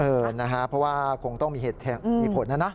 เออนะฮะเพราะว่าคงต้องมีเหตุมีผลนะนะ